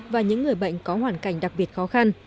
và những người bệnh có hoàn cảnh đặc biệt khó khăn